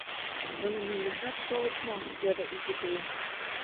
— Нуно мӧҥгешат толыт мо? — йодо Изи принц.